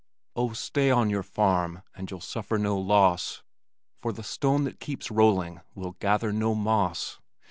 _Oh, stay on your farm and you'll suffer no loss, For the stone that keeps rolling will gather no moss.